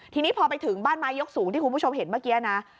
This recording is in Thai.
ทีนี้พอไปถึงบ้านไม้ยกสูงที่คุณผู้ชมเห็นเมื่อกี้นะ